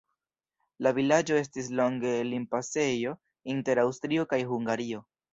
La vilaĝo estis longe limpasejo inter Aŭstrio kaj Hungario.